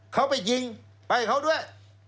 เขาไปยิงไปกับเขาด้วย